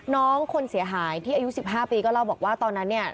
น้องคนเสียหายที่อายุ๑๕ปีก็เล่าบอกว่าตอนนั้นเนี่ย